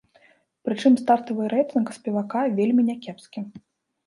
Прычым стартавы рэйтынг спевака вельмі някепскі.